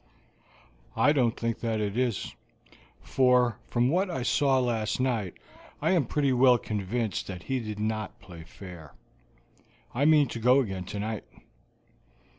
"I don't think that it is, for from what I saw last night I am pretty well convinced that he did not play fair. I mean to go again tonight."